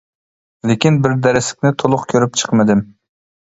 لېكىن بىر دەرسلىكنى تولۇق كۆرۈپ چىقمىدىم.